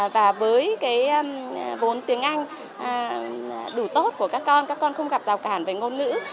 và với vốn tiếng anh đủ tốt của các con các con không gặp rào cản với ngôn ngữ